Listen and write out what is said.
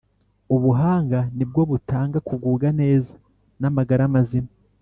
Ubuhanga ni bwo butanga kugubwa neza n’amagara mazima